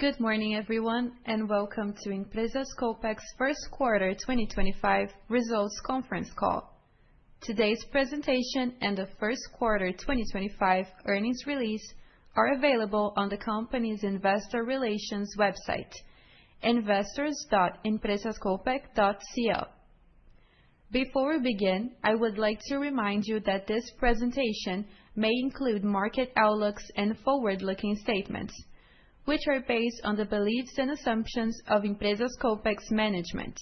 Good morning, everyone, and welcome to Empresas Copec's First Quarter 2025 results conference call. Today's presentation and the First Quarter 2025 earnings release are available on the company's Investor Relations website: investors.empresascopec.co. Before we begin, I would like to remind you that this presentation may include market outlooks and forward-looking statements, which are based on the beliefs and assumptions of Empresas Copec's management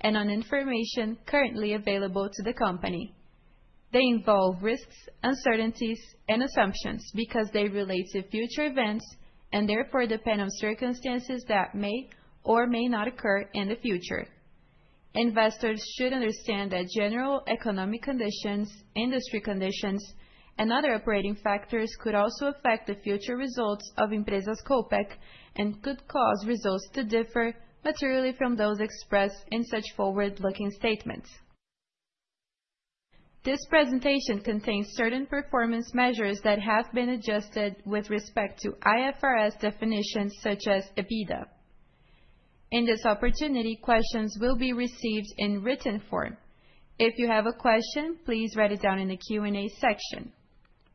and on information currently available to the company. They involve risks, uncertainties, and assumptions because they relate to future events and therefore depend on circumstances that may or may not occur in the future. Investors should understand that general economic conditions, industry conditions, and other operating factors could also affect the future results of Empresas Copec and could cause results to differ materially from those expressed in such forward-looking statements. This presentation contains certain performance measures that have been adjusted with respect to IFRS definitions such as EBITDA. In this opportunity, questions will be received in written form. If you have a question, please write it down in the Q&A section.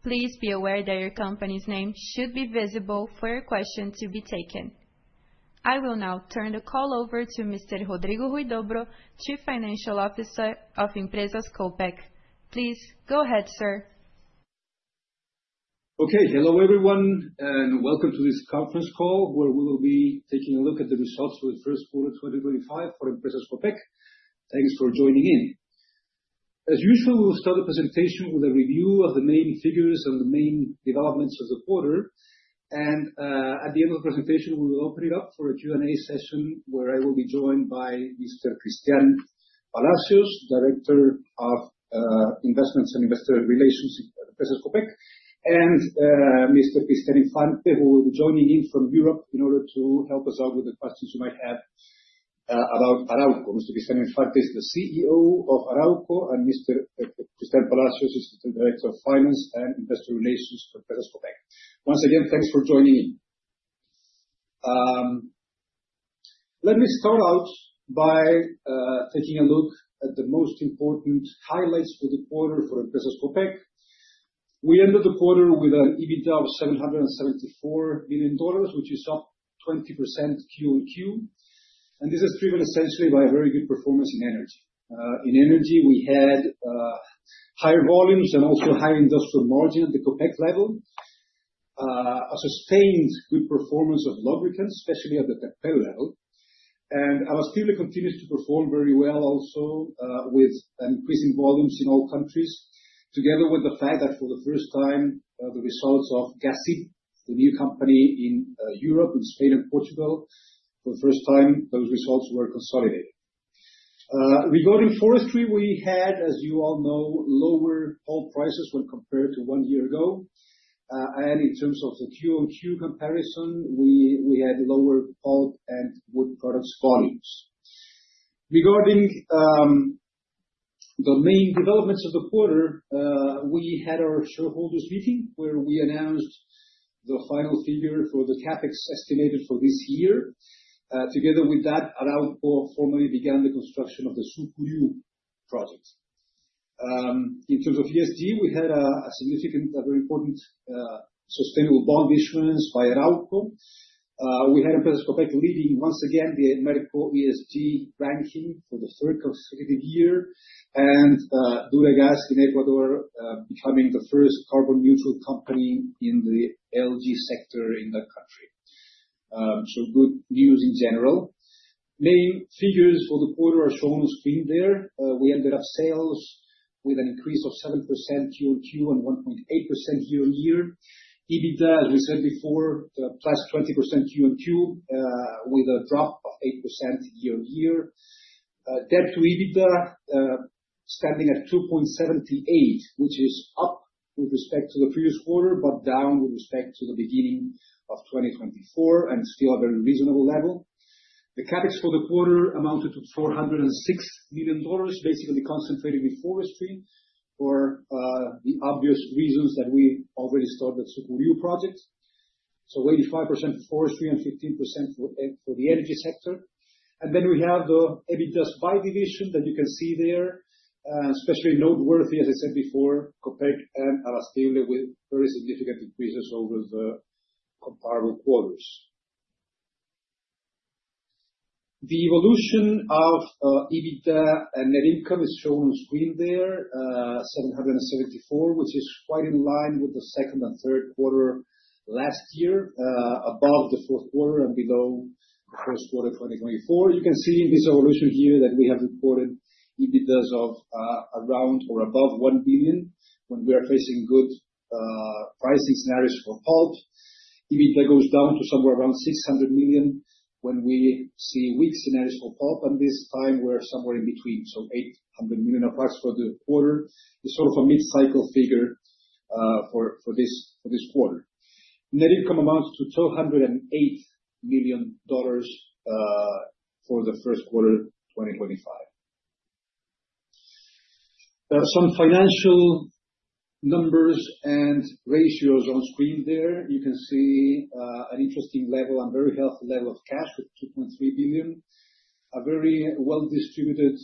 Please be aware that your company's name should be visible for your question to be taken. I will now turn the call over to Mr. Rodrigo Huidobro, Chief Financial Officer of Empresas Copec. Please go ahead, sir. Okay, hello everyone, and welcome to this conference call where we will be taking a look at the results for the First Quarter 2025 for Empresas Copec. Thanks for joining in. As usual, we will start the presentation with a review of the main figures and the main developments of the quarter, and at the end of the presentation, we will open it up for a Q&A session where I will be joined by Mr. Cristián Palacios, Director of Finance and Investor Relations at Empresas Copec, and Mr. Cristián Infante, who will be joining in from Europe in order to help us out with the questions you might have about Arauco. Mr. Cristián Infante is the CEO of Arauco, and Mr. Cristián Palacios is the Director of Finance and Investor Relations for Empresas Copec. Once again, thanks for joining in. Let me start out by taking a look at the most important highlights for the quarter for Empresas Copec. We ended the quarter with an EBITDA of $774 million, which is up 20% Q on Q, and this is driven essentially by a very good performance in energy. In energy, we had higher volumes and also higher industrial margin at the Copec level, a sustained good performance of lubricants, especially at the Terpel level, and our steel continues to perform very well also with increasing volumes in all countries, together with the fact that for the first time the results of Gasib, the new company in Europe, in Spain and Portugal, for the first time those results were consolidated. Regarding forestry, we had, as you all know, lower pulp prices when compared to one year ago, and in terms of the Q on Q comparison, we had lower pulp and wood products volumes. Regarding the main developments of the quarter, we had our shareholders' meeting where we announced the final figure for the CapEx estimated for this year. Together with that, Arauco formally began the construction of the Sucuriú project. In terms of ESG, we had a significant, very important sustainable bond issuance by Arauco. We had Empresas Copec leading once again the Merco ESG ranking for the third consecutive year, and Duragas in Ecuador becoming the first carbon neutral company in the LG sector in the country. Good news in general. Main figures for the quarter are shown on screen there. We ended up sales with an increase of 7% Q on Q and 1.8% year on year. EBITDA, as we said before, plus 20% Q on Q with a drop of 8% year on year. Debt to EBITDA standing at 2.78, which is up with respect to the previous quarter but down with respect to the beginning of 2024 and still a very reasonable level. The CapEx for the quarter amounted to $406 million, basically concentrated with forestry for the obvious reasons that we already started the Sucuriú project. 85% for forestry and 15% for the energy sector. We have the EBITDA by division that you can see there, especially noteworthy, as I said before, Copec and Abastible with very significant increases over the comparable quarters. The evolution of EBITDA and net income is shown on screen there, 774, which is quite in line with the second and third quarter last year, above the fourth quarter and below the first quarter of 2024. You can see in this evolution here that we have reported EBITDAs of around or above $1 billion when we are facing good pricing scenarios for pulp. EBITDA goes down to somewhere around $600 million when we see weak scenarios for pulp, and this time we're somewhere in between. So $800 million approximately for the quarter. It's sort of a mid-cycle figure for this quarter. Net income amounts to $208 million for the first quarter 2025. There are some financial numbers and ratios on screen there. You can see an interesting level and very healthy level of cash with $2.3 billion. A very well-distributed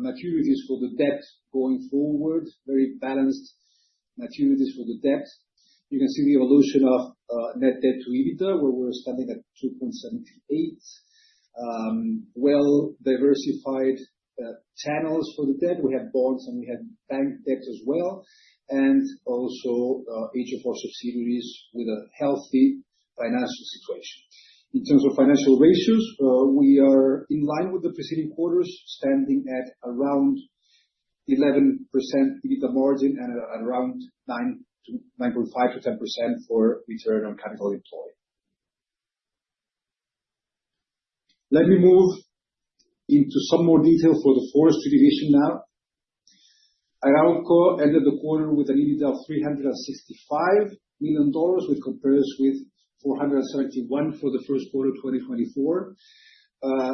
maturities for the debt going forward, very balanced maturities for the debt. You can see the evolution of net debt to EBITDA, where we're standing at 2.78. Well-diversified channels for the debt. We have bonds and we have bank debt as well, and also HFR subsidiaries with a healthy financial situation. In terms of financial ratios, we are in line with the preceding quarters, standing at around 11% EBITDA margin and around 9.5-10% for return on capital employed. Let me move into some more detail for the forestry division now. Arauco ended the quarter with an EBITDA of $365 million, which compares with $471 for the first quarter 2024.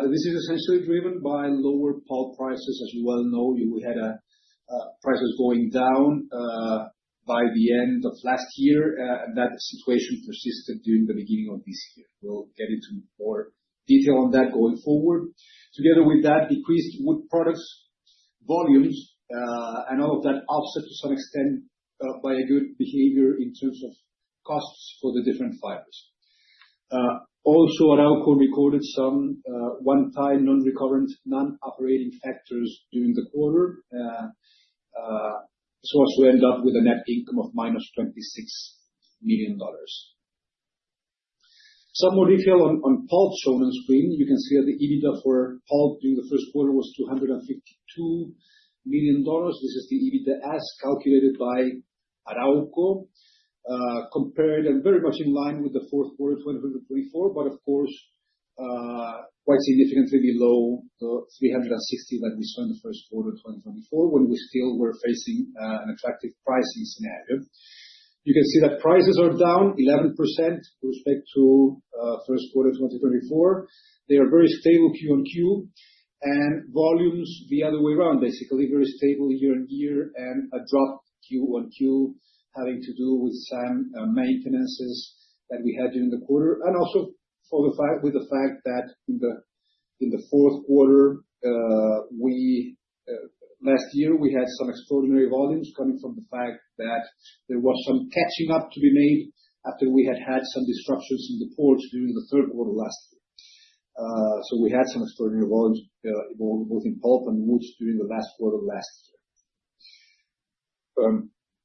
This is essentially driven by lower pulp prices. As you well know, we had prices going down by the end of last year, and that situation persisted during the beginning of this year. We'll get into more detail on that going forward. Together with that, decreased wood products volumes, and all of that offset to some extent by a good behavior in terms of costs for the different fibers. Also, Arauco recorded some one-time non-recurrent non-operating factors during the quarter, so we end up with a net income of minus $26 million. Some more detail on pulp shown on screen. You can see that the EBITDA for pulp during the first quarter was $252 million. This is the EBITDA as calculated by Arauco, compared and very much in line with the fourth quarter 2024, but of course, quite significantly below the $360 million that we saw in the first quarter 2024 when we still were facing an attractive pricing scenario. You can see that prices are down 11% with respect to first quarter 2024. They are very stable Q on Q and volumes the other way around, basically very stable year on year and a drop Q on Q having to do with some maintenances that we had during the quarter. Also with the fact that in the fourth quarter last year, we had some extraordinary volumes coming from the fact that there was some catching up to be made after we had had some disruptions in the ports during the third quarter last year. We had some extraordinary volumes both in pulp and woods during the last quarter last year.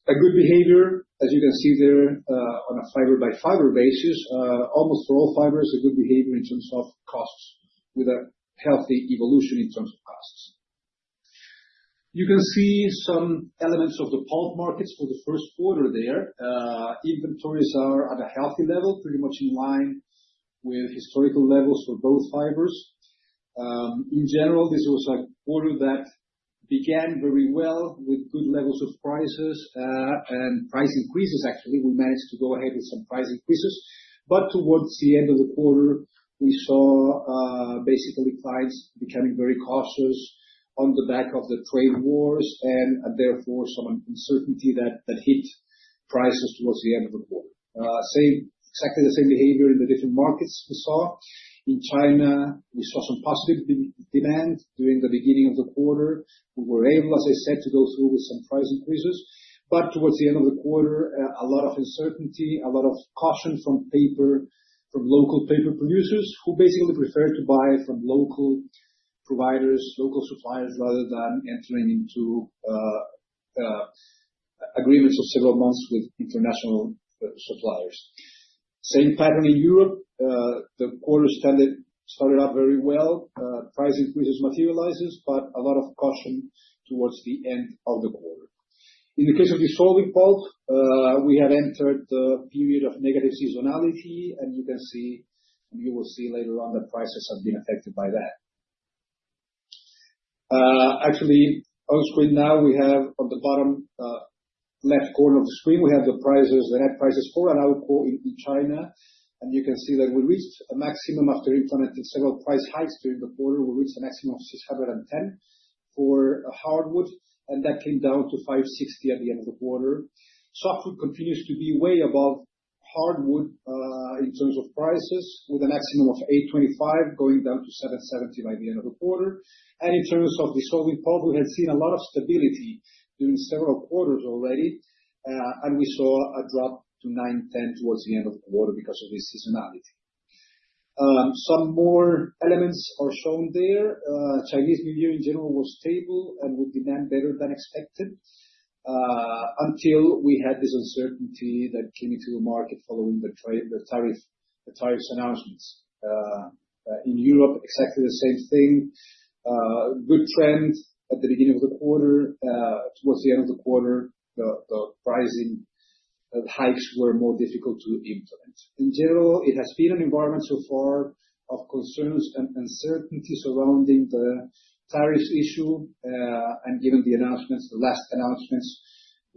A good behavior, as you can see there on a fiber by fiber basis, almost for all fibers, a good behavior in terms of costs with a healthy evolution in terms of costs. You can see some elements of the pulp markets for the first quarter there. Inventories are at a healthy level, pretty much in line with historical levels for both fibers. In general, this was a quarter that began very well with good levels of prices and price increases. Actually, we managed to go ahead with some price increases, but towards the end of the quarter, we saw basically clients becoming very cautious on the back of the trade wars and therefore some uncertainty that hit prices towards the end of the quarter. Exactly the same behavior in the different markets we saw. In China, we saw some positive demand during the beginning of the quarter. We were able, as I said, to go through with some price increases, but towards the end of the quarter, a lot of uncertainty, a lot of caution from local paper producers who basically preferred to buy from local providers, local suppliers, rather than entering into agreements of several months with international suppliers. Same pattern in Europe. The quarter started off very well. Price increases materialized, but a lot of caution towards the end of the quarter. In the case of dissolving pulp, we had entered the period of negative seasonality, and you can see, and you will see later on that prices have been affected by that. Actually, on screen now, we have on the bottom left corner of the screen, we have the net prices for Arauco in China, and you can see that we reached a maximum after implementing several price hikes during the quarter. We reached a maximum of $610 for hardwood, and that came down to $560 at the end of the quarter. Softwood continues to be way above hardwood in terms of prices, with a maximum of $825 going down to $770 by the end of the quarter. In terms of dissolving pulp, we had seen a lot of stability during several quarters already, and we saw a drop to $910 towards the end of the quarter because of this seasonality. Some more elements are shown there. Chinese New Year in general was stable and with demand better than expected until we had this uncertainty that came into the market following the tariff announcements. In Europe, exactly the same thing. Good trend at the beginning of the quarter. Towards the end of the quarter, the pricing hikes were more difficult to implement. In general, it has been an environment so far of concerns and uncertainties surrounding the tariff issue, and given the announcements, the last announcements,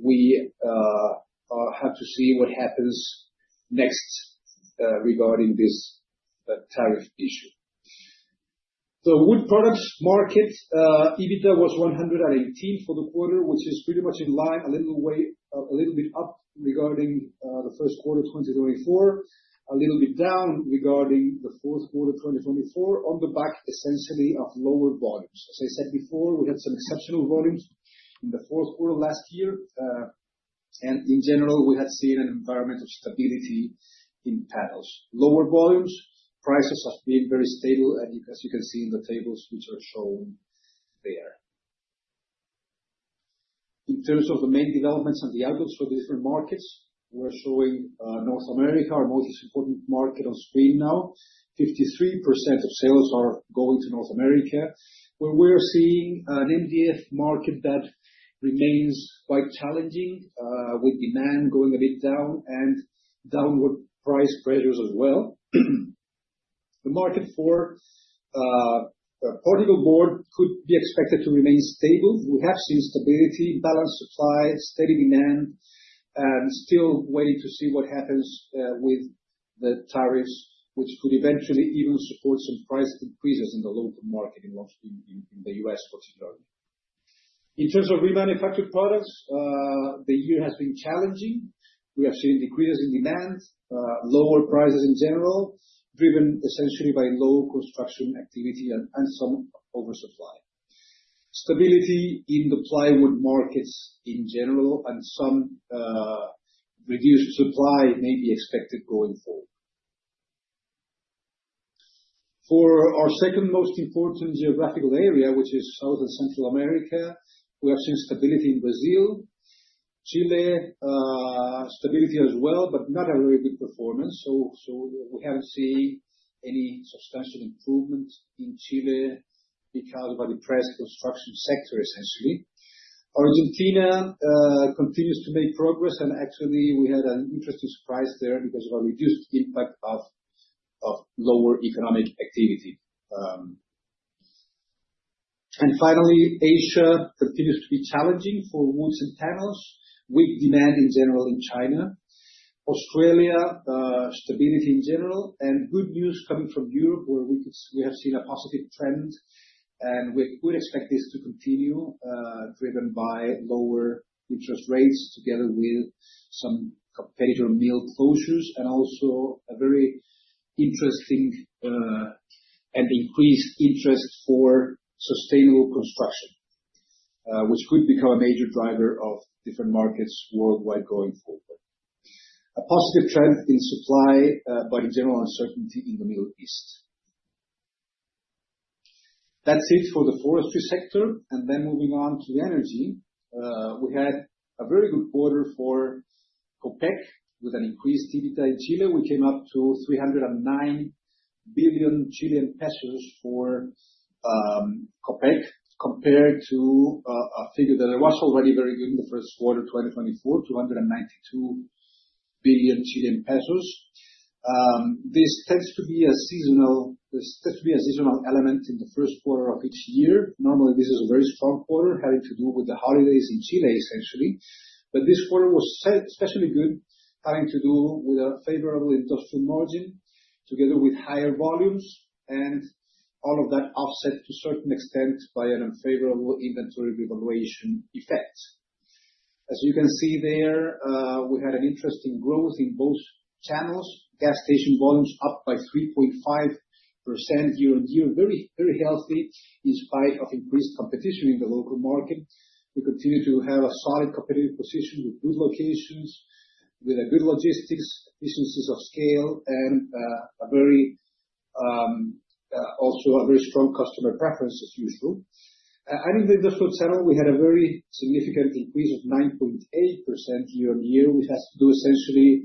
we have to see what happens next regarding this tariff issue. The wood products market EBITDA was $118 million for the quarter, which is pretty much in line, a little bit up regarding the first quarter 2024, a little bit down regarding the fourth quarter 2024, on the back essentially of lower volumes. As I said before, we had some exceptional volumes in the fourth quarter last year, and in general, we had seen an environment of stability in panels. Lower volumes, prices have been very stable, as you can see in the tables which are shown there. In terms of the main developments and the outlooks for the different markets, we're showing North America, our most important market on screen now. 53% of sales are going to North America, where we are seeing an MDF market that remains quite challenging with demand going a bit down and downward price pressures as well. The market for particle board could be expected to remain stable. We have seen stability, balanced supply, steady demand, and still waiting to see what happens with the tariffs, which could eventually even support some price increases in the local market in the U.S. particularly. In terms of remanufactured products, the year has been challenging. We have seen decreases in demand, lower prices in general, driven essentially by low construction activity and some oversupply. Stability in the plywood markets in general and some reduced supply may be expected going forward. For our second most important geographical area, which is South and Central America, we have seen stability in Brazil, Chile, stability as well, but not a very good performance. We have not seen any substantial improvement in Chile because of a depressed construction sector essentially. Argentina continues to make progress, and actually we had an interesting surprise there because of a reduced impact of lower economic activity. Finally, Asia continues to be challenging for woods and panels, weak demand in general in China. Australia, stability in general, and good news coming from Europe where we have seen a positive trend, and we would expect this to continue driven by lower interest rates together with some competitor mill closures and also a very interesting and increased interest for sustainable construction, which could become a major driver of different markets worldwide going forward. A positive trend in supply, but in general uncertainty in the Middle East. That is it for the forestry sector, and then moving on to energy. We had a very good quarter for Copec with an increased EBITDA in Chile. We came up to 309 billion Chilean pesos for Copec compared to a figure that was already very good in the first quarter 2024, 292 billion Chilean pesos. This tends to be a seasonal element in the first quarter of each year. Normally, this is a very strong quarter having to do with the holidays in Chile essentially, but this quarter was especially good having to do with a favorable industrial margin together with higher volumes, and all of that offset to a certain extent by an unfavorable inventory revaluation effect. As you can see there, we had an interesting growth in both channels. Gas station volumes up by 3.5% year on year, very healthy in spite of increased competition in the local market. We continue to have a solid competitive position with good locations, with good logistics, efficiencies of scale, and also a very strong customer preference as usual. In the industrial channel, we had a very significant increase of 9.8% year on year, which has to do essentially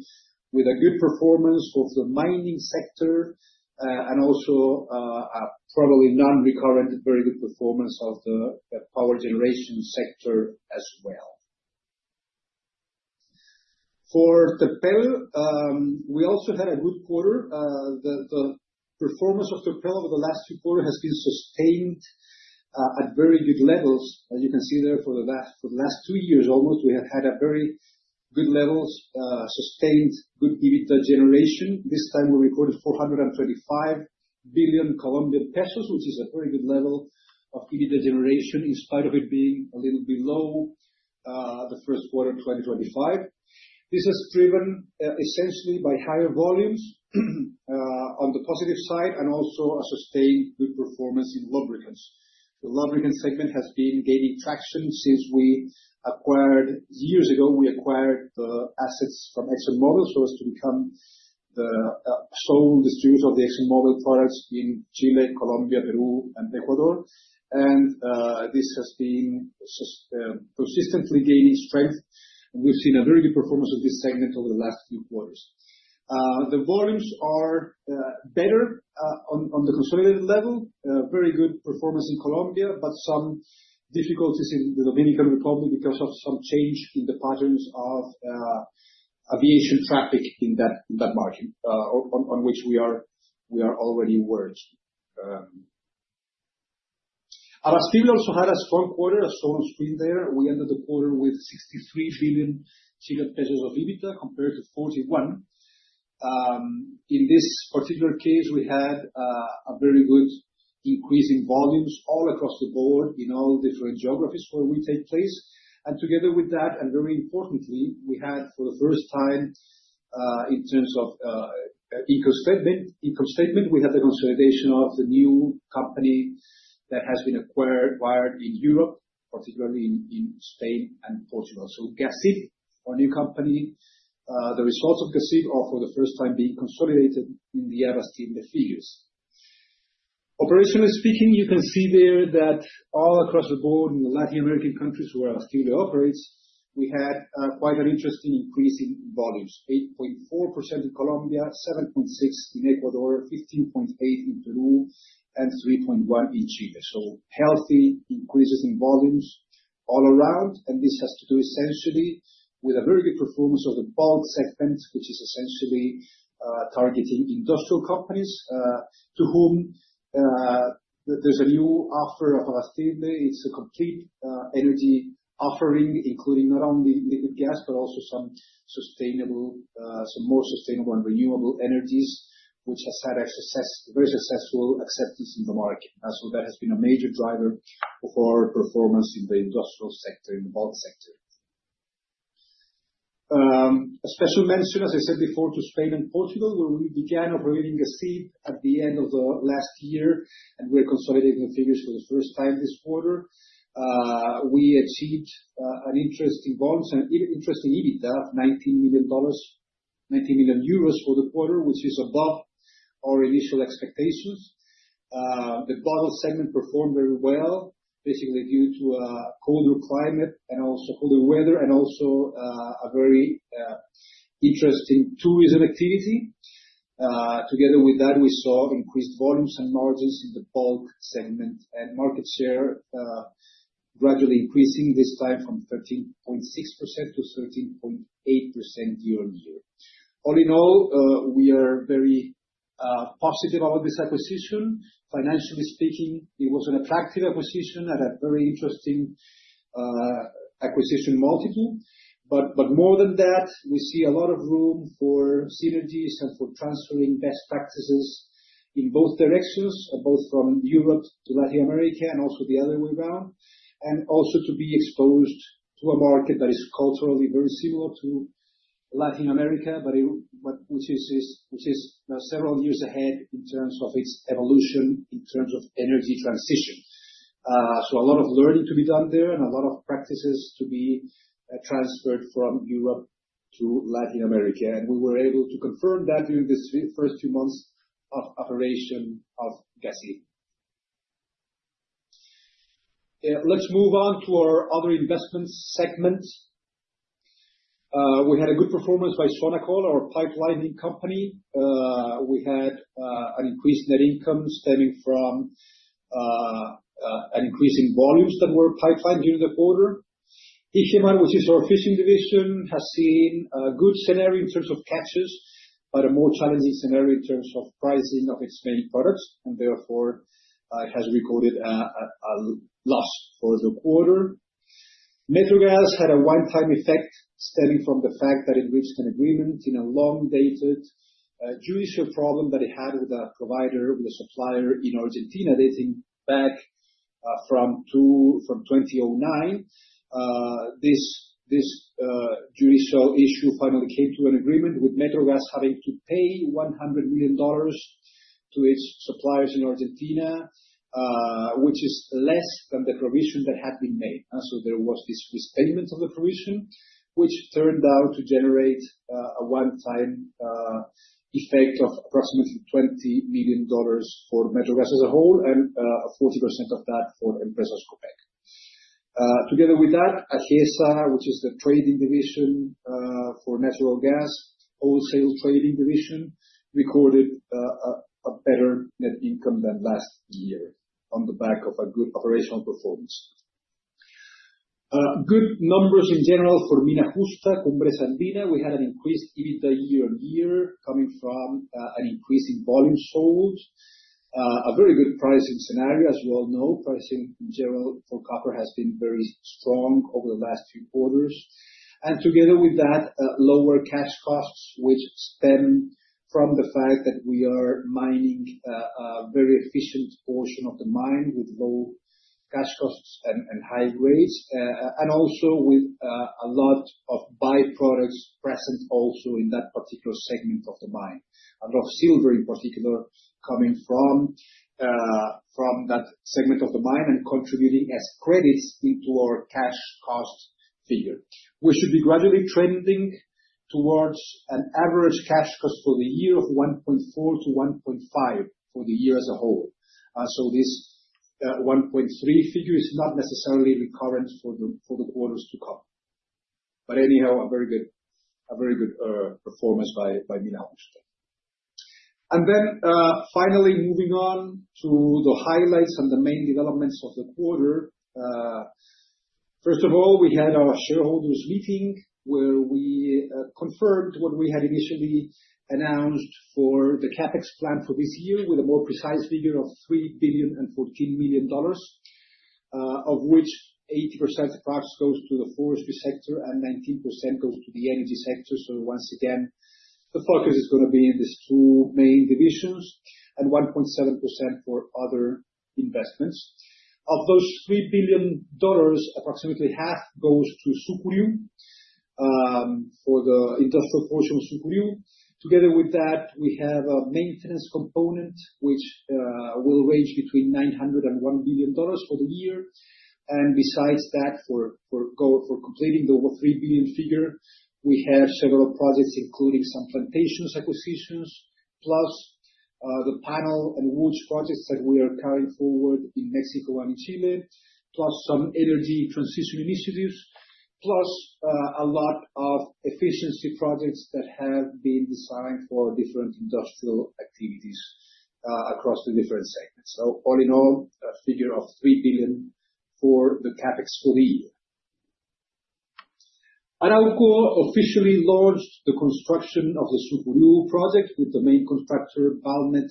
with a good performance of the mining sector and also probably non-recurrent very good performance of the power generation sector as well. For Terpel, we also had a good quarter. The performance of Terpel over the last two quarters has been sustained at very good levels. As you can see there for the last two years almost, we have had very good levels, sustained good EBITDA generation. This time we recorded COP 425 billion, which is a very good level of EBITDA generation in spite of it being a little bit low the first quarter 2025. This is driven essentially by higher volumes on the positive side and also a sustained good performance in lubricants. The lubricant segment has been gaining traction since we acquired years ago. We acquired the assets from ExxonMobil so as to become the sole distributor of the ExxonMobil products in Chile, Colombia, Peru, and Ecuador, and this has been consistently gaining strength. We've seen a very good performance of this segment over the last few quarters. The volumes are better on the consolidated level, very good performance in Colombia, but some difficulties in the Dominican Republic because of some change in the patterns of aviation traffic in that margin on which we are already working. Abastible also had a strong quarter, as shown on screen there. We ended the quarter with 63 billion pesos of EBITDA compared to 41 billion. In this particular case, we had a very good increase in volumes all across the board in all different geographies where we take place. Together with that, and very importantly, we had for the first time in terms of income statement, the consolidation of the new company that has been acquired in Europe, particularly in Spain and Portugal. Gasib, our new company, the results of Gasib are for the first time being consolidated in the Abastible figures. Operationally speaking, you can see there that all across the board in the Latin American countries where Abastible operates, we had quite an interesting increase in volumes, 8.4% in Colombia, 7.6% in Ecuador, 15.8% in Peru, and 3.1% in Chile. Healthy increases in volumes all around, and this has to do essentially with a very good performance of the pulp segment, which is essentially targeting industrial companies to whom there's a new offer of Abastible. It's a complete energy offering, including not only liquid gas, but also some more sustainable and renewable energies, which has had very successful acceptance in the market. That has been a major driver of our performance in the industrial sector, in the pulp sector. A special mention, as I said before, to Spain and Portugal, where we began operating Gasib at the end of last year and we're consolidating the figures for the first time this quarter. We achieved an interesting EBITDA of EUR 19 million for the quarter, which is above our initial expectations. The bottle segment performed very well, basically due to a colder climate and also colder weather and also a very interesting tourism activity. Together with that, we saw increased volumes and margins in the pulp segment and market share gradually increasing this time from 13.6% to 13.8% year on year. All in all, we are very positive about this acquisition. Financially speaking, it was an attractive acquisition at a very interesting acquisition multiple. More than that, we see a lot of room for synergies and for transferring best practices in both directions, both from Europe to Latin America and also the other way around, and also to be exposed to a market that is culturally very similar to Latin America, which is several years ahead in terms of its evolution in terms of energy transition. A lot of learning to be done there and a lot of practices to be transferred from Europe to Latin America. We were able to confirm that during the first few months of operation of Gasib. Let's move on to our other investment segment. We had a good performance by Sonacol, our pipelining company. We had an increased net income stemming from an increase in volumes that were pipelined during the quarter. Icheman, which is our fishing division, has seen a good scenario in terms of catches, but a more challenging scenario in terms of pricing of its main products, and therefore it has recorded a loss for the quarter. MetroGas had a one-time effect stemming from the fact that it reached an agreement in a long-dated judicial problem that it had with a provider, with a supplier in Argentina dating back from 2009. This judicial issue finally came to an agreement with MetroGas having to pay $100 million to its suppliers in Argentina, which is less than the provision that had been made. There was this mispayment of the provision, which turned out to generate a one-time effect of approximately $20 million for MetroGas as a whole and 40% of that for Empresas Copec. Together with that, Ajesa, which is the trading division for natural gas, wholesale trading division, recorded a better net income than last year on the back of a good operational performance. Good numbers in general for Mina Justa, Cumbres Andinas. We had an increased EBITDA year on year coming from an increase in volume sold, a very good pricing scenario, as we all know. Pricing in general for copper has been very strong over the last few quarters. Together with that, lower cash costs, which stem from the fact that we are mining a very efficient portion of the mine with low cash costs and high grades, and also with a lot of byproducts present also in that particular segment of the mine, a lot of silver in particular coming from that segment of the mine and contributing as credits into our cash cost figure. We should be gradually trending towards an average cash cost for the year of $1.4-$1.5 for the year as a whole. This $1.3 figure is not necessarily recurrent for the quarters to come. Anyhow, a very good performance by Mina Justa. Finally, moving on to the highlights and the main developments of the quarter. First of all, we had our shareholders meeting where we confirmed what we had initially announced for the CapEx plan for this year with a more precise figure of $3 billion and $14 million, of which approximately 80% goes to the forestry sector and 19% goes to the energy sector. Once again, the focus is going to be in these two main divisions and 1.7% for other investments. Of those $3 billion, approximately half goes to Sucuriú for the industrial portion of Sucuriú. Together with that, we have a maintenance component which will range between $900 million and $1 billion for the year. Besides that, for completing the over $3 billion figure, we have several projects including some plantations acquisitions, plus the panel and woods projects that we are carrying forward in Mexico and in Chile, plus some energy transition initiatives, plus a lot of efficiency projects that have been designed for different industrial activities across the different segments. All in all, a figure of $3 billion for the CapEx for the year. Arauco officially launched the construction of the Sucuriú project with the main contractor, Valmet,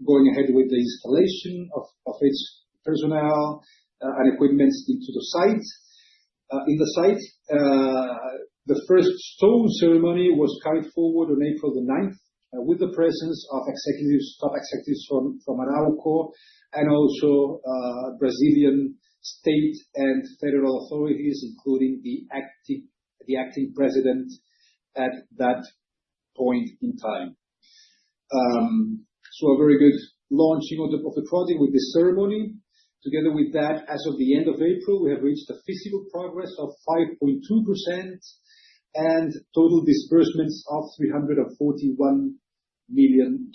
going ahead with the installation of its personnel and equipment in the site. The first stone ceremony was carried forward on April the 9th with the presence of top executives from Arauco and also Brazilian state and federal authorities, including the acting president at that point in time. A very good launching of the project with this ceremony. Together with that, as of the end of April, we have reached a physical progress of 5.2% and total disbursements of $341 million.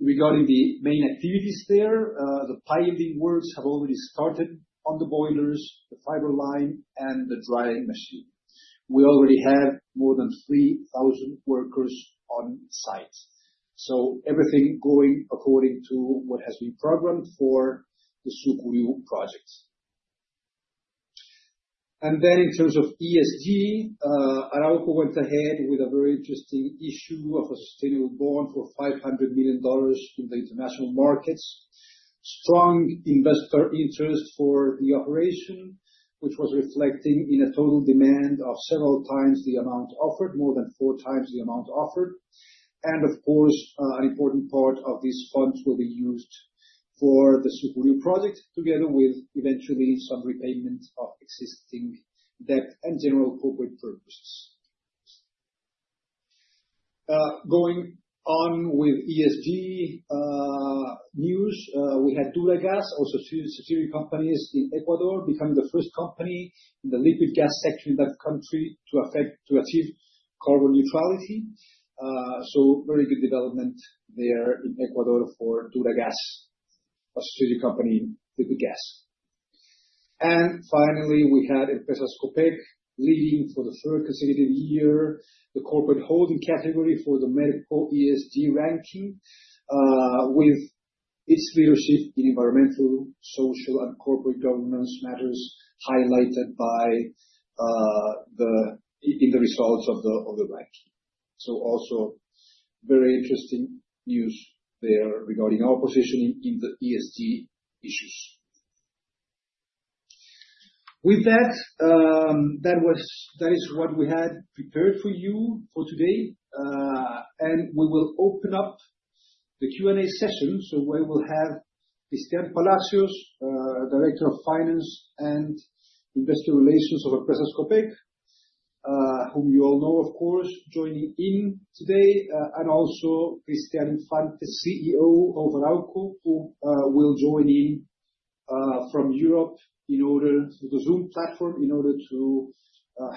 Regarding the main activities there, the piling works have already started on the boilers, the fiber line, and the drying machine. We already have more than 3,000 workers on site. Everything going according to what has been programmed for the Sucuriú project. In terms of ESG, Arauco went ahead with a very interesting issue of a sustainable bond for $500 million in the international markets. Strong investor interest for the operation, which was reflected in a total demand of several times the amount offered, more than four times the amount offered. An important part of these funds will be used for the Sucuriú project together with eventually some repayment of existing debt and general corporate purposes. Going on with ESG news, we had Duragas, also a subsidiary company in Ecuador, becoming the first company in the liquid gas sector in that country to achieve carbon neutrality. Very good development there in Ecuador for Duragas, a subsidiary company, liquid gas. Finally, we had Empresas Copec leading for the third consecutive year the corporate holding category for the Merco ESG ranking with its leadership in environmental, social, and corporate governance matters highlighted in the results of the ranking. Also very interesting news there regarding our position in the ESG issues. With that, that is what we had prepared for you for today. We will open up the Q&A session. We will have Cristián Palacios, Director of Finance and Investor Relations of Empresas Copec, whom you all know, of course, joining in today, and also Cristián Infante, CEO of Arauco, who will join in from Europe through the Zoom platform in order to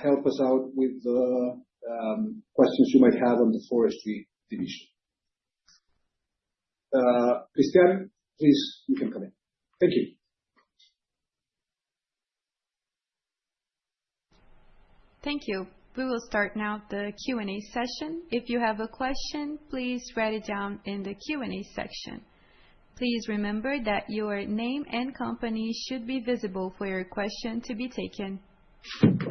help us out with the questions you might have on the forestry division. Cristián, please, you can come in. Thank you. Thank you. We will start now the Q&A session. If you have a question, please write it down in the Q&A section. Please remember that your name and company should be visible for your question to be taken. Thank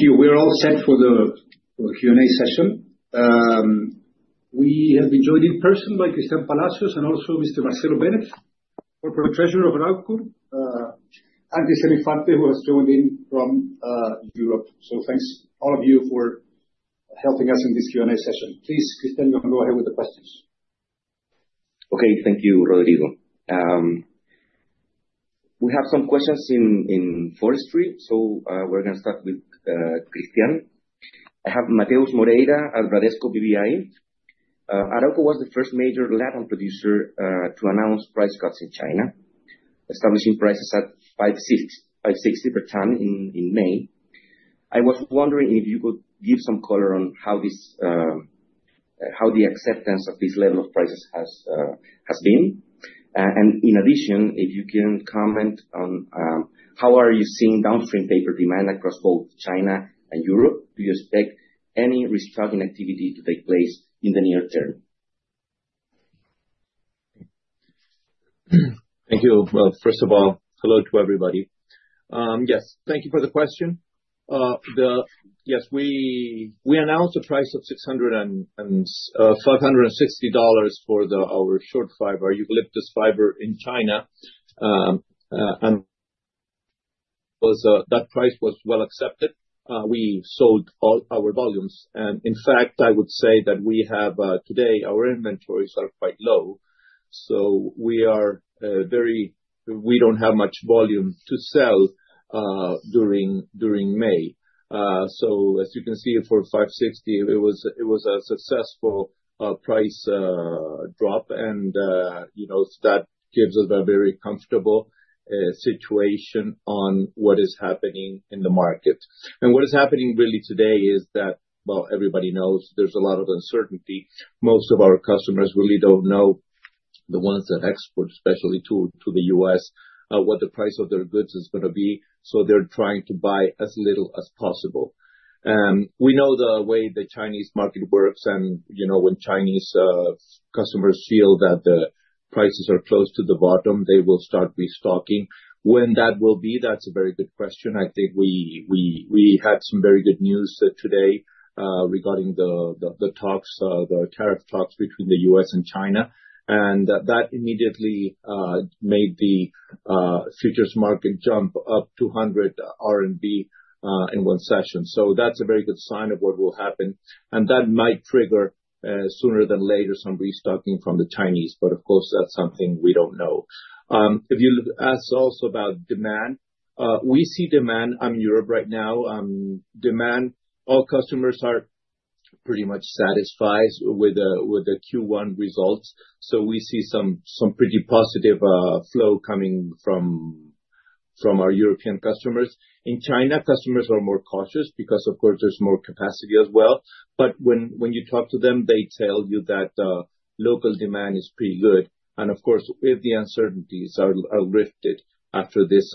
you. We are all set for the Q&A session. We have been joined in person by Cristián Palacios and also Mr. Marcelo Bennett, Corporate Treasurer of Arauco, and Cristián Infante, who has joined in from Europe. Thank you all for helping us in this Q&A session. Please, Cristián, you can go ahead with the questions. Okay, thank you, Rodrigo. We have some questions in forestry, so we are going to start with Cristián. I have Matheus Moreira at Bradesco BBI. Arauco was the first major Latin producer to announce price cuts in China, establishing prices at $560 per ton in May. I was wondering if you could give some color on how the acceptance of this level of prices has been. In addition, if you can comment on how you are seeing downstream paper demand across both China and Europe? Do you expect any restocking activity to take place in the near term? Thank you. First of all, hello to everybody. Yes, thank you for the question. Yes, we announced a price of $560 for our short fiber, our eucalyptus fiber in China. That price was well accepted. We sold all our volumes. In fact, I would say that we have today, our inventories are quite low. We do not have much volume to sell during May. As you can see, for $5.60, it was a successful price drop. That gives us a very comfortable situation on what is happening in the market. What is happening really today is that everybody knows there is a lot of uncertainty. Most of our customers really do not know, the ones that export, especially to the U.S., what the price of their goods is going to be. They are trying to buy as little as possible. We know the way the Chinese market works. When Chinese customers feel that the prices are close to the bottom, they will start restocking. When that will be? That is a very good question. I think we had some very good news today regarding the tariff talks between the U.S. and China. That immediately made the futures market jump up 200 RMB in one session. That is a very good sign of what will happen. That might trigger sooner than later some restocking from the Chinese. Of course, that is something we do not know. If you ask also about demand, we see demand in Europe right now. All customers are pretty much satisfied with the Q1 results. We see some pretty positive flow coming from our European customers. In China, customers are more cautious because, of course, there is more capacity as well. When you talk to them, they tell you that local demand is pretty good. Of course, if the uncertainties are lifted after this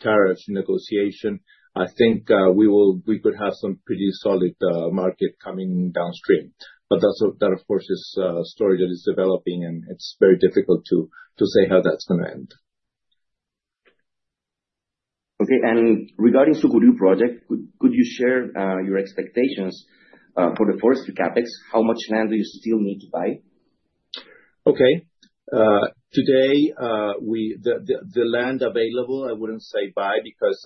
tariff negotiation, I think we could have some pretty solid market coming downstream. That, of course, is a story that is developing, and it's very difficult to say how that's going to end. Okay. Regarding the Sucuriú project, could you share your expectations for the forestry CapEx? How much land do you still need to buy? Okay. Today, the land available, I wouldn't say buy because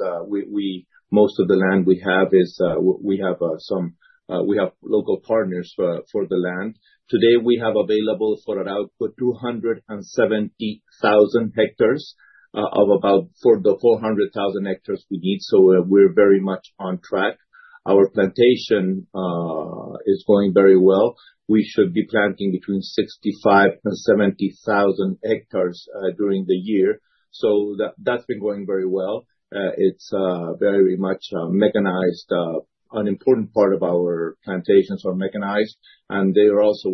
most of the land we have is we have some local partners for the land. Today, we have available for Arauco 270,000 hectares of about the 400,000 hectares we need. We're very much on track. Our plantation is going very well. We should be planting between 65,000-70,000 hectares during the year. That's been going very well. It's very much mechanized. An important part of our plantations are mechanized. They are also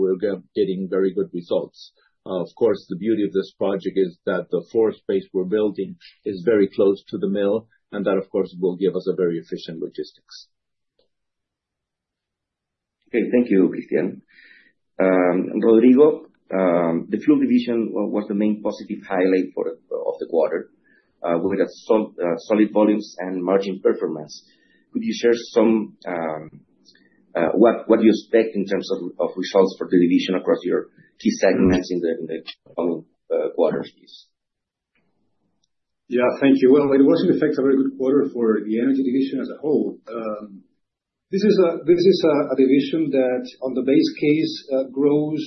getting very good results. Of course, the beauty of this project is that the forest base we're building is very close to the mill. That, of course, will give us very efficient logistics. Okay, thank you, Cristián. Rodrigo, the fuel division was the main positive highlight of the quarter with solid volumes and margin performance. Could you share what you expect in terms of results for the division across your key segments in the coming quarters, please? Thank you. It was, in effect, a very good quarter for the energy division as a whole. This is a division that, on the base case, grows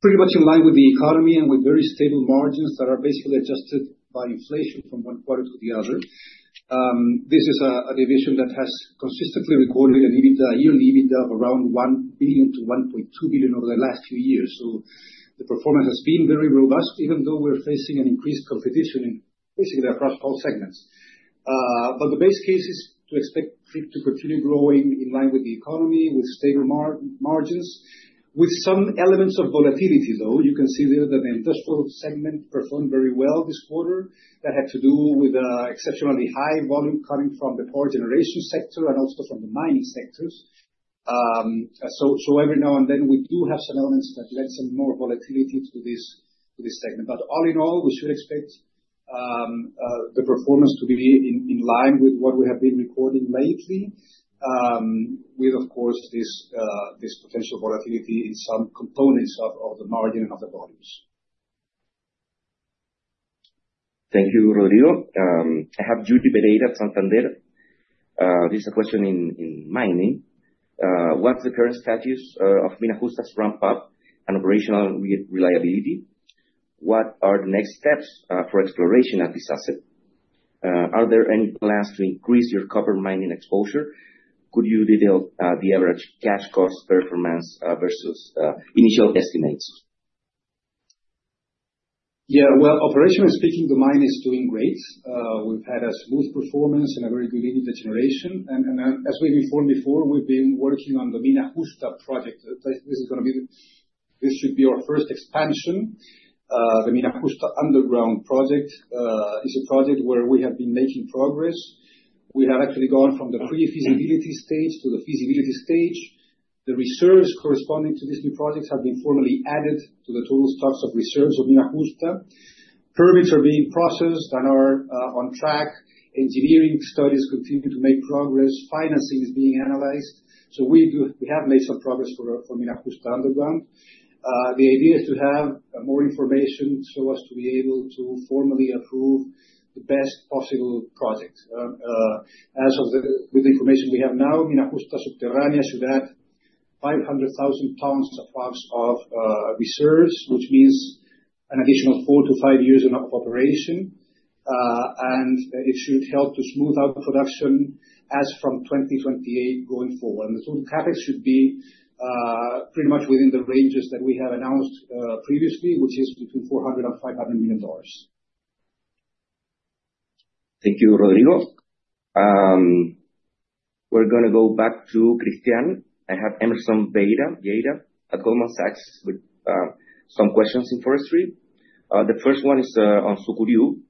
pretty much in line with the economy and with very stable margins that are basically adjusted by inflation from one quarter to the other. This is a division that has consistently recorded a yearly EBITDA of around $1 billion-$1.2 billion over the last few years. The performance has been very robust, even though we're facing increased competition basically across all segments. The base case is to expect to continue growing in line with the economy, with stable margins. With some elements of volatility, though, you can see that the industrial segment performed very well this quarter. That had to do with exceptionally high volume coming from the power generation sector and also from the mining sectors. Every now and then, we do have some elements that lend some more volatility to this segment. All in all, we should expect the performance to be in line with what we have been recording lately, with, of course, this potential volatility in some components of the margin and of the volumes. Thank you, Rodrigo. I have Judy Bereyra Santander. This is a question in mining. What's the current status of Mina Justa's ramp-up and operational reliability? What are the next steps for exploration at this asset? Are there any plans to increase your copper mining exposure? Could you detail the average cash cost performance versus initial estimates? Yeah, operationally speaking, the mine is doing great. We've had a smooth performance and a very good EBITDA generation. As we've informed before, we've been working on the Mina Justa project. This should be our first expansion. The Mina Justa underground project is a project where we have been making progress. We have actually gone from the pre-feasibility stage to the feasibility stage. The reserves corresponding to these new projects have been formally added to the total stocks of reserves of Mina Justa. Permits are being processed and are on track. Engineering studies continue to make progress. Financing is being analyzed. We have made some progress for Mina Justa underground. The idea is to have more information so as to be able to formally approve the best possible project. As of the information we have now, Mina Justa Subterránea should add 500,000 tons of reserves, which means an additional four to five years of operation. It should help to smooth out production as from 2028 going forward. The total CapEx should be pretty much within the ranges that we have announced previously, which is between $400 million and $500 million. Thank you, Rodrigo. We're going to go back to Cristián. I have Emerson Vieira at Goldman Sachs with some questions in forestry. The first one is on Sucuriú.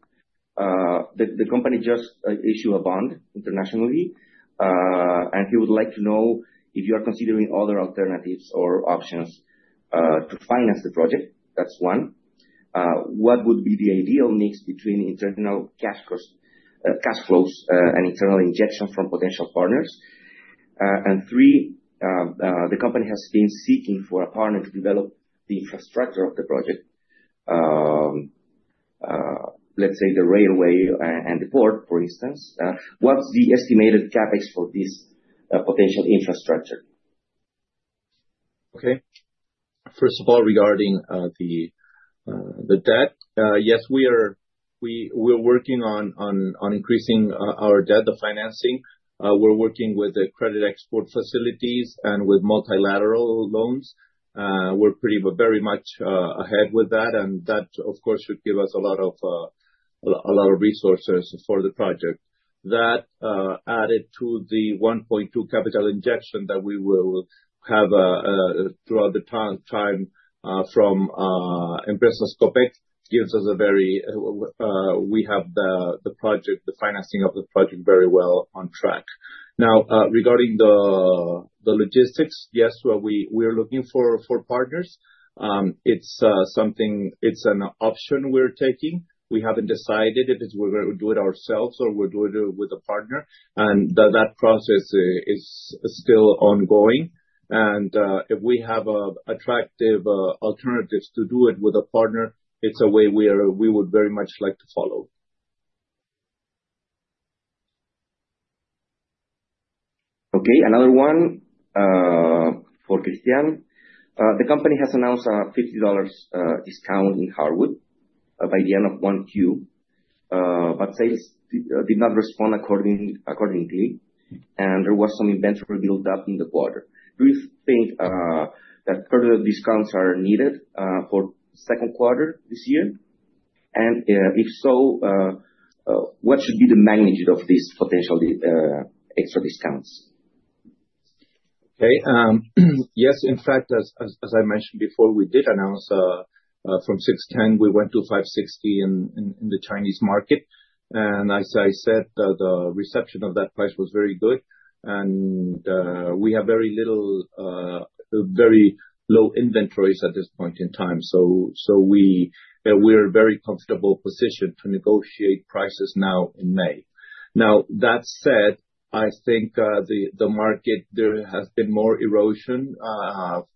The company just issued a bond internationally. He would like to know if you are considering other alternatives or options to finance the project. That's one. What would be the ideal mix between internal cash flows and internal injection from potential partners? Three, the company has been seeking for a partner to develop the infrastructure of the project, let's say the railway and the port, for instance. What's the estimated CapEx for this potential infrastructure? Okay. First of all, regarding the debt, yes, we are working on increasing our debt, the financing. We're working with the credit export facilities and with multilateral loans. We're pretty much ahead with that. That, of course, should give us a lot of resources for the project. That added to the $1.2 billion capital injection that we will have throughout the time from Empresas Copec gives us a very, we have the project, the financing of the project very well on track. Now, regarding the logistics, yes, we are looking for partners. It's an option we're taking. We have not decided if we are going to do it ourselves or we are doing it with a partner. That process is still ongoing. If we have attractive alternatives to do it with a partner, it is a way we would very much like to follow. Okay, another one for Cristián. The company has announced a $50 discount in hardwood by the end of Q1, but sales did not respond accordingly, and there was some inventory built up in the quarter. Do you think that further discounts are needed for the second quarter this year? If so, what should be the magnitude of these potential extra discounts? Okay. Yes, in fact, as I mentioned before, we did announce from $610, we went to $560 in the Chinese market. As I said, the reception of that price was very good. We have very low inventories at this point in time. We are in a very comfortable position to negotiate prices now in May. That said, I think the market, there has been more erosion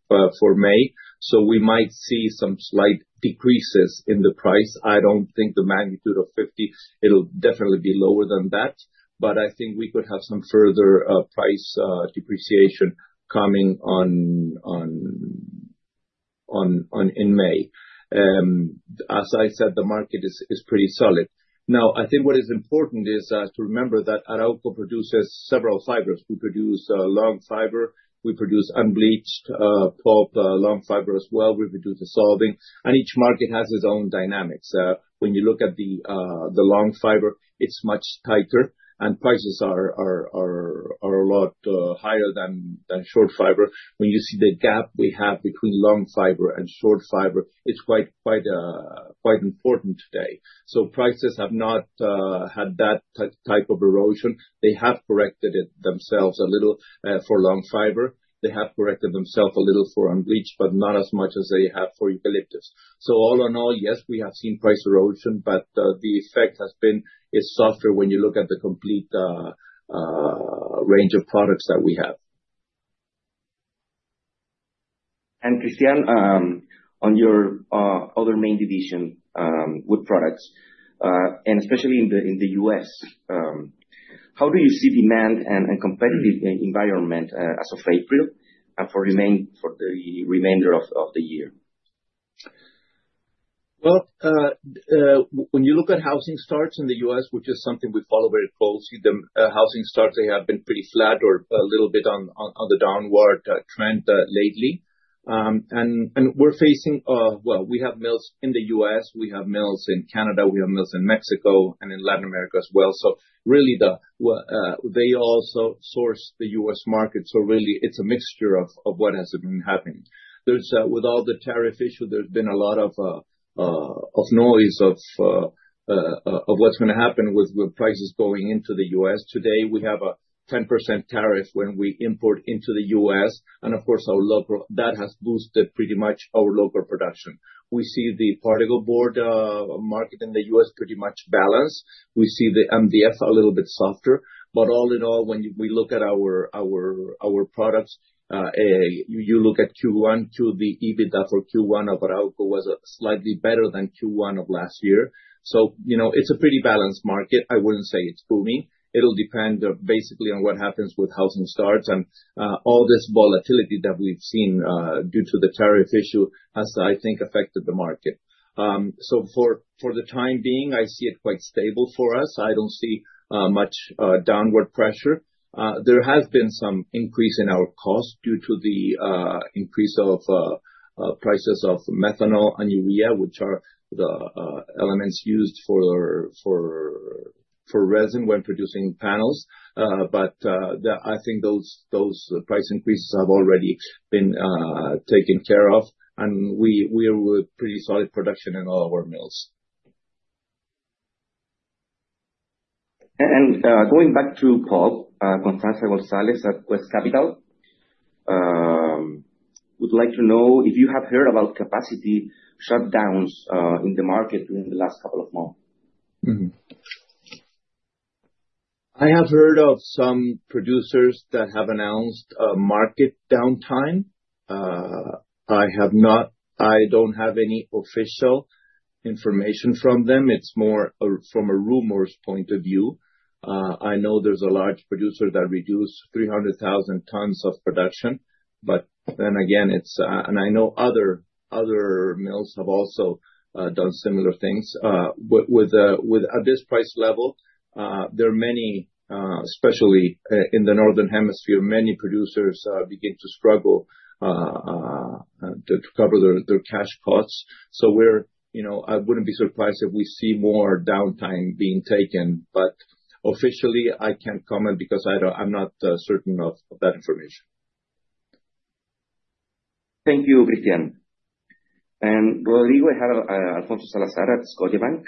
for May. We might see some slight decreases in the price. I do not think the magnitude of 50, it will definitely be lower than that. I think we could have some further price depreciation coming in May. As I said, the market is pretty solid. I think what is important is to remember that Arauco produces several fibers. We produce long fiber. We produce unbleached pulp, long fiber as well. We produce the solvent. Each market has its own dynamics. When you look at the long fiber, it is much tighter. Prices are a lot higher than short fiber. When you see the gap we have between long fiber and short fiber, it's quite important today. Prices have not had that type of erosion. They have corrected themselves a little for long fiber. They have corrected themselves a little for unbleached, but not as much as they have for eucalyptus. All in all, yes, we have seen price erosion, but the effect has been softer when you look at the complete range of products that we have. Cristian, on your other main division, wood products, and especially in the U.S., how do you see demand and competitive environment as of April and for the remainder of the year? When you look at housing starts in the U.S., which is something we follow very closely, the housing starts have been pretty flat or a little bit on the downward trend lately. We're facing, we have mills in the U.S. We have mills in Canada. We have mills in Mexico and in Latin America as well. Really, they also source the U.S. market. Really, it's a mixture of what has been happening. With all the tariff issues, there's been a lot of noise of what's going to happen with prices going into the U.S. Today, we have a 10% tariff when we import into the U.S. Of course, that has boosted pretty much our local production. We see the particle board market in the U.S. pretty much balanced. We see the MDF a little bit softer. All in all, when we look at our products, you look at Q1, the EBITDA for Q1 of Arauco was slightly better than Q1 of last year. It's a pretty balanced market. I wouldn't say it's booming. It'll depend basically on what happens with housing starts and all this volatility that we've seen due to the tariff issue, as I think, affected the market. For the time being, I see it quite stable for us. I don't see much downward pressure. There has been some increase in our cost due to the increase of prices of methanol and urea, which are the elements used for resin when producing panels. I think those price increases have already been taken care of. We're with pretty solid production in all our mills. Going back to Paul, González González at West Capital would like to know if you have heard about capacity shutdowns in the market during the last couple of months. I have heard of some producers that have announced market downtime. I don't have any official information from them. It's more from a rumors point of view. I know there's a large producer that reduced 300,000 tons of production. I know other mills have also done similar things. With this price level, there are many, especially in the northern hemisphere, many producers begin to struggle to cover their cash costs. I wouldn't be surprised if we see more downtime being taken. Officially, I can't comment because I'm not certain of that information. Thank you, Cristián. Rodrigo Jara Alfonso Salazar at Scotiabank.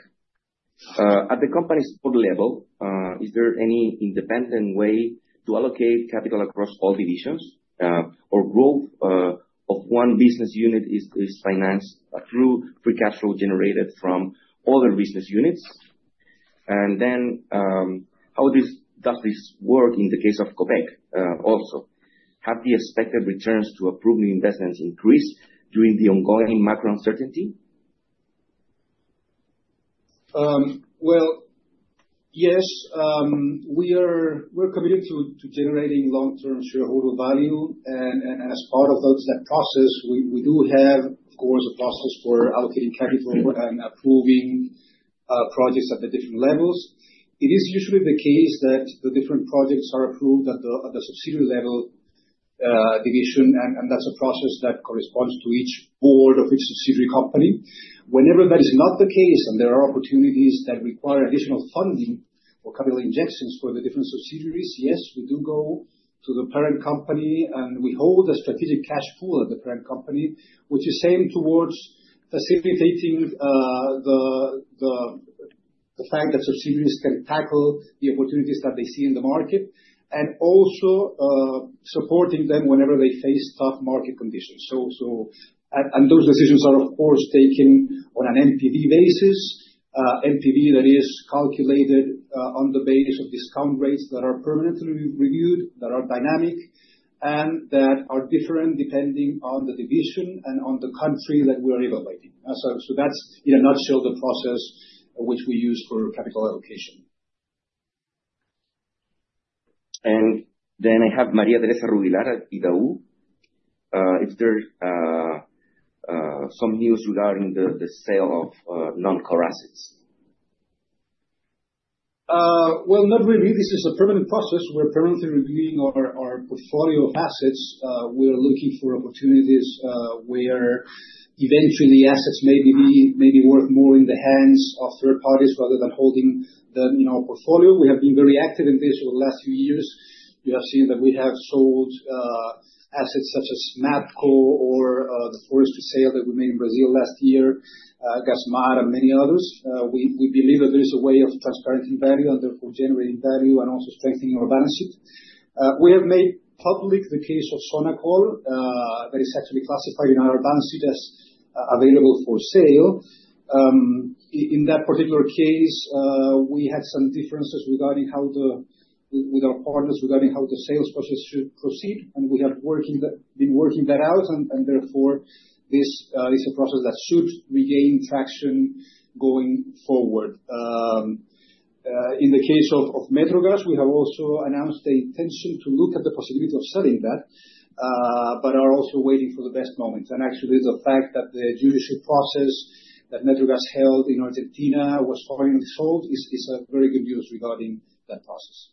At the company's port level, is there any independent way to allocate capital across all divisions? Or growth of one business unit is financed through free capital generated from other business units? How does this work in the case of Copec also? Have the expected returns to approved investments increased during the ongoing macro uncertainty? Yes, we're committed to generating long-term shareholder value. As part of that process, we do have, of course, a process for allocating capital and approving projects at the different levels. It is usually the case that the different projects are approved at the subsidiary level division, and that's a process that corresponds to each board of each subsidiary company. Whenever that is not the case and there are opportunities that require additional funding or capital injections for the different subsidiaries, yes, we do go to the parent company and we hold a strategic cash pool at the parent company, which is aimed towards facilitating the fact that subsidiaries can tackle the opportunities that they see in the market and also supporting them whenever they face tough market conditions. Those decisions are, of course, taken on an NPV basis, NPV that is calculated on the basis of discount rates that are permanently reviewed, that are dynamic, and that are different depending on the division and on the country that we are evaluating. That is, in a nutshell, the process which we use for capital allocation. I have Maria Teresa Ruvilar at IDAU. Is there some news regarding the sale of non-core assets? Not really. This is a permanent process. We are permanently reviewing our portfolio of assets. We are looking for opportunities where eventually assets may be worth more in the hands of third parties rather than holding them in our portfolio. We have been very active in this over the last few years. You have seen that we have sold assets such as MAPCO or the forest to sale that we made in Brazil last year, Gasmar, and many others. We believe that there is a way of transparent value and therefore generating value and also strengthening our balance sheet. We have made public the case of Sonacol that is actually classified in our balance sheet as available for sale. In that particular case, we had some differences with our partners regarding how the sales process should proceed. We have been working that out. Therefore, this is a process that should regain traction going forward. In the case of MetroGas, we have also announced the intention to look at the possibility of selling that, but are also waiting for the best moments. Actually, the fact that the judicial process that MetroGas held in Argentina was finally solved is very good news regarding that process.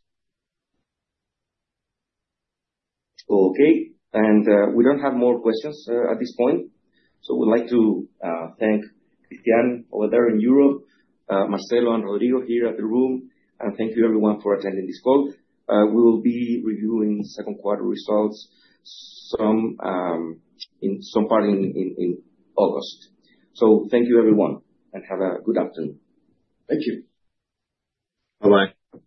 Okay. We do not have more questions at this point. We would like to thank Cristián over there in Europe, Marcelo and Rodrigo here in the room. Thank you, everyone, for attending this call. We will be reviewing second quarter results in some part in August. Thank you, everyone, and have a good afternoon. Thank you. Bye-bye.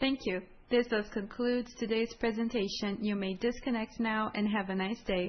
Thank you. This does conclude today's presentation. You may disconnect now and have a nice day.